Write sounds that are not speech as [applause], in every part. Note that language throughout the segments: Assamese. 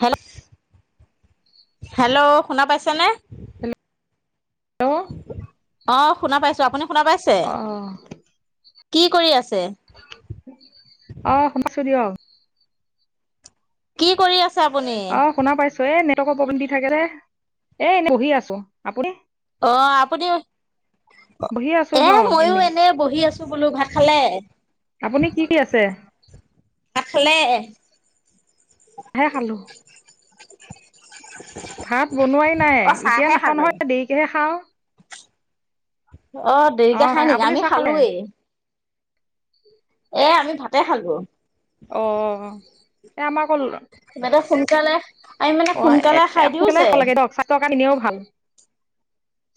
হেল হেল্ল' শুনা পাইছেনে? হেল্ল' অ শুনা পাইছো আপুনি শুনা পাইছে অ', কি কৰি আছে। অ শুনাইছো দিয়ক। কি কৰি আছ? অ শুনা পাইছো এ নেটৱৰ্কৰ পব দি থাকে দে এ এনে বহি আছো আপুনি অ আপুনি বহি আছো এ দিয়ক মইো এনেই এনে বহি আছো বোলো ভাত। খালে? আপুনি কি আছে। তখলে হে খালো ভাত বনোৱাই নাই অ' এতিয়া চাহহে নাখাওঁ খালে। নহয় দেৰিকেহে খাওঁ। অ দেৰিকে অ', খাই নেকি আপুনি আমি চাহ খালে খালোয়েই এ আমি ভাতে খালো অ আমাক মলে সোনকালে আমি মানে অ সোনকালে এক খাই একসো দিওঁ পালাই যে। ভাল লাগে দক স্বাস্থ্যকা কনেও ভাল।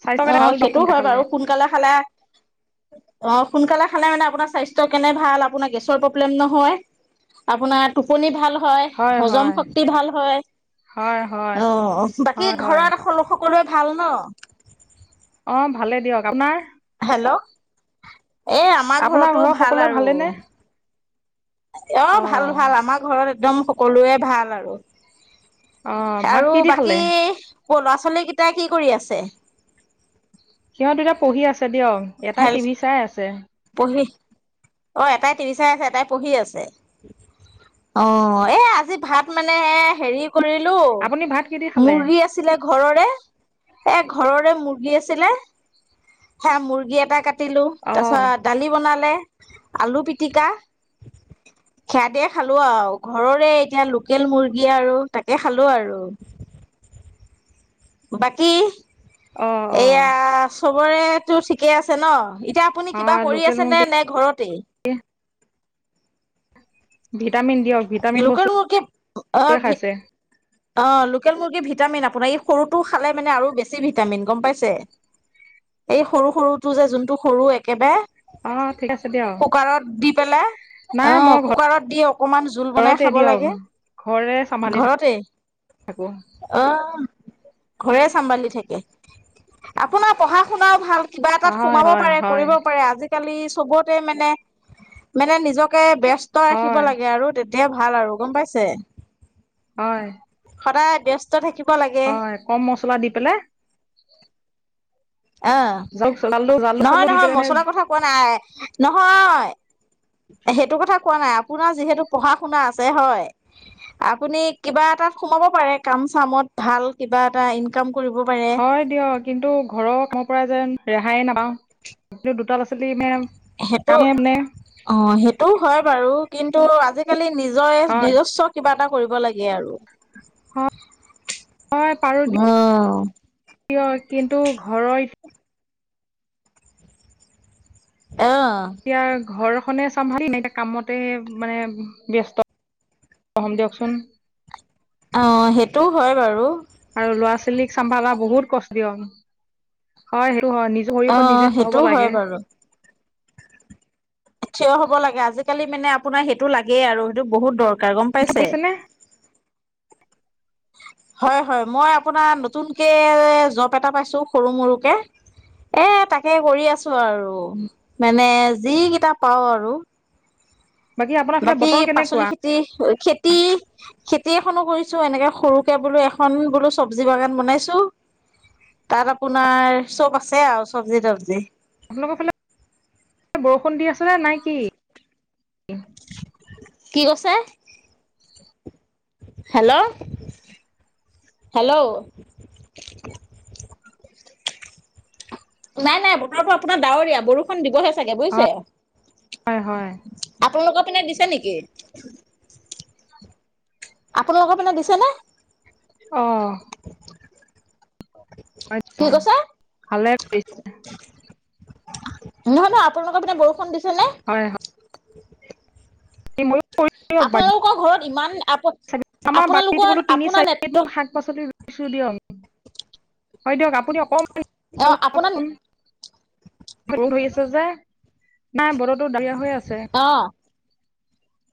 স্বাস্থ্যৰ অ কাৰণে ভাল দিয়ক সেইটো সোনকালে হয় খালে বাৰু সোনকালে খালে অ সোনকালে ভ হয়, হজম হয়, শক্তি ভাল হয় হয়, হয়, অ বাকী হয়, হয় ঘৰত এ ল। ক ভাল ন। অঁ ভালে দিয়ক। আপোনাৰ? হেল্ল' এ আমাৰ আপোনাৰ ঘৰতো ঘৰৰ ভাল সকলোৱে আৰু ভালেনে অ ভাল ভাল আমাৰ ঘৰত একদম সকলোৱে ভাল আৰু। অ', ভাত আৰু কি দি বাকী খালে ক লৰা ছোৱালী কেইটা কি কৰি আছে। সিহঁত দুটা পঢ়ি আছে দিয়ক এটা হেল টিভি চাই আছে। পঢ়ি অ এটাই টিভি চাই আছে এটাই পঢ়ি আছে। অ এ আজি ভাত মানে এ হেৰি। কৰিলো আপুনি ভাত কি দি খালে মুৰ্গী আছিলে ঘৰৰে এ ঘৰৰে মুৰ্গী। মুৰ্গী আছিলে সে মুৰ্গী এটা কাটিলো অ তাৰপিছত দালি বনালে, আলু পিটিকা। খোদে খালো আৰু ঘৰৰে এতিয়া লোকেল মুৰ্গী আৰু তাকে খালো আৰু উ বাকী অ অ এইয়া চবৰে ঠিকে আছে ন এতিয়া আপুনি অ কিবা কৰি লোকেল আছে নে মুৰ্গী নে ঘৰত [inaudible] ভিটামিন দিয়ক ভিটামিন লোকে বস্তুৱে কি অ ভ খাইছে অ। লোকেল মুৰ্গীৰ ভিটামিন আপোনাৰ এই সৰুটো খালে মানে আৰু বেছি ভিটামিন গম পাইছে। এই সৰু সৰুটো যে যোনটো সৰু একেবাৰে অ ঠিক আছে দিয়ক কুকাৰত দি পেলাই অ নাই মই কুকাৰত দি অকমান জোল বনাই ঘৰতে খাব দিয়ক লাগে ঘৰে চম্ভালি ঘৰতে থাকো অ। ঘৰে চম্ভালি থাকে। আপোনাৰ পঢ়া শুনাও ভাল, কিবা এটাত হয় সোমাব হয় পাৰে, হয় কৰিব পাৰে। আজিকালি চবতে মানে মানে নিজকে ব্যস্ত ৰাখিব হয় লাগে আৰু। এয়া ভাল আৰু গম পাইছে। হয়। সদায় ব্যস্ত থাকিব, লাগে হয়। কম মছলা দি পেলাই। অ, জালুক জালুক জালুক নহয় চালুক দি নহয় পেলাই মানে মছলাৰ কথা কোৱা নাই নহয়। সেইটো কথা কোৱা নাই, আপোনাৰ যিহেতু পঢ়া শুনা আছে হয়। আপুনি কিবা এটাত সোমাব পাৰে, কাম চামত ভাল কিবা এটা ইনকাম। কৰিব পাৰে হয় দিয়া। কিন্তু ঘৰৰ পৰা যেন ৰেহাই নাই, এতিয়া দুটা লৰা ছোৱালীও নাই। সেইটো অ সেইটো হয় বাৰু। কিন্তু আজিকালি নিজৰে হয় নিজস্ব কিবা এটা কৰিব লাগে আৰু। হয় পাৰো। অ কিয় কিন্তু ঘৰৰ অ', এতিয়া ঘৰখনে চম্ভালি নে কামতে মানে ব্যস্ত। ম দিয়কচোন। অ সেইটোও হয় বাৰু। আৰু ল'ৰা ছোৱালীক চম্ভালা বহুত কষ্ট হয়। টো হয় নিজৰ ভৰিতে অ', নিজে থিয় হ'ব সেইটোও হয় লাগে। বাৰু। থিয় হ'ব লাগে। আজিকালি মানে আপোনাৰ সেইটো লাগেই আৰু সেইটো বহুত দৰকাৰ। ক গম পাইছে। কৈছেনে হয় হয়। মই আপোনাৰ নতুনকে জব এটা পাইছো সৰু মৰুকে। অ তাকে কৰি আছো আৰু মানে যিকেইটা পাওঁ আৰু। বাকী আপোনাৰ ফালে বাকী বতৰ পাচলি কেনেকুৱা খেতি খেতি, গোতেইখনো কৰিছো। এনেকে সৰুকে বোলো এখন বোলো চব্জি বাগান বনাইছো। তাত আপোনাৰ চব আছে আৰু চবজি তবজি। আপোনালোকৰ ফালে বৰষুণ দি আছে নাই কি? কি কৈছে হেল্ল', হেল্ল', নাই নাই বতৰটো আপোনাৰ ডাৱৰীয়া, বৰষুণ দিবহে চাগে হয় বুইছে। হয় হয় আপোনালোকৰ পিনে দিছে নেকি? আপোনালোকৰ মানে দিছে নে? অ হয় কি ত কৈছে ভালে কৰিছে [unintelligible] নহয় নহয় আপোনালোকৰ পিনে বৰষুণ দিছে নে? হয় হয় [unintelligible] ময়ো আপোনালোকৰ ঘৰত ইমান আপ আমাৰ বাৰিত আপোনালোকৰ বোলো তিনি আপোনাৰ চাৰি বিধ নেটৱৰ্ক শাক পাচলি ৰুই দিয়ক হয় দিয়ক আপুনি অক ভ অ আপোনাৰ কওকচোন ৰ'দ হৈ আছে যে [unintelligible] নাই বতৰটো ডাৱৰীয়া হৈ আছে। অ।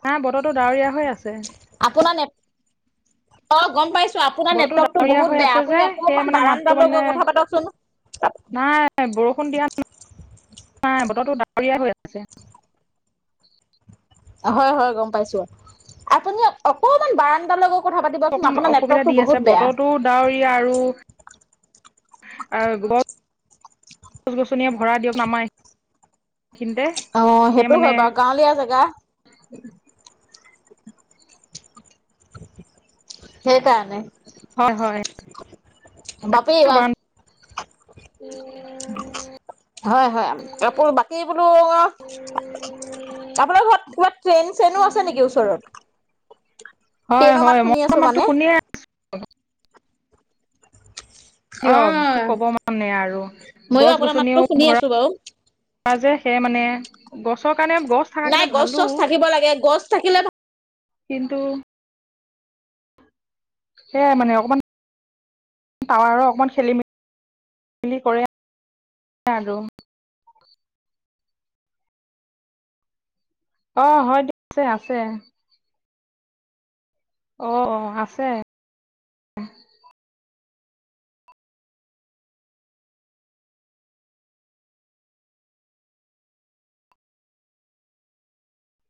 নাই বতৰটো ডাৱৰীয়া হৈ আপোনাৰ নেট আছে। অ গম পাইছো আপোনাৰ বতৰটো নেটৱৰ্কতটো ডাৱৰীয়া বহুত হৈ বেয়া, আছে যে আপুনি সেয়ে অকনমান মানে মাতটো বাৰণ্ডাৰ মানে গৈ কথা পাতকচোন। নাই বৰষুণ দিয়া নাই। নাই বতৰটো ডাৱৰীয়া হৈ আছে। হয় হয় গম পাইছো। আপুনি অকমান বাৰাণ্ডাৰ গৈ কথা পাতিবচোন আপোনাৰ অসুবিধা নেটৱৰ্কটো দি আছে, বহুত বেয়া। বতৰটো ডাৱৰীয়া আৰু। আহ গ গছ গছনিয়ে ভৰা দিয়ক আমাৰ কিন্তে অ কে সেইটো হয় মানে বাৰু গাঁৱলীয়া জেগা সেইকাৰণে হয় হয় বাপি এইবাৰ [unintelligible] হয় হয় আপো বাকী বোলো আপোনাৰ ঘৰত কিবা ট্ৰেইন চেইনো আছে নেকি ওচৰত হয় ট্ৰেইনৰ মাত হয় শুনি মই আছো মাতো মানে। শুনিয়ে আছো অ। দিয়ক কি ক'ব মানে আৰু ময়ো গছ আপোনাৰ মাতটো গছনিও শুনি ভৰা আছো বাৰু। এয়া যে সেই মানে গছৰ কাৰণে গছ থকা নাই কাৰণে গছ ভালো চছ থাকিব লাগে গছ থাকিলে কিন্তু সেইয়াই মানে অকমান টাৱাৰো অকণমান খেলি মেলি মেলি কৰে আৰু অ হয় দিয়ক ছে আছে অ আছে